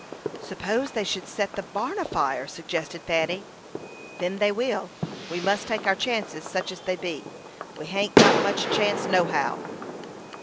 "Suppose they should set the barn afire," suggested Fanny. "Then they will; we must take our chances, such as they be. We hain't got much chance nohow."